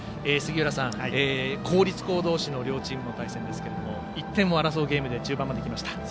杉浦さん、公立校同士の両チームの対戦ですが１点を争うゲームで中盤まできました。